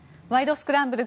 スクランブル」